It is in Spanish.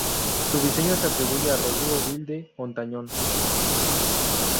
Su diseño se atribuye a Rodrigo Gil de Hontañón.